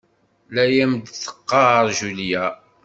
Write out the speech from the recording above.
La am-d-teɣɣar Julia.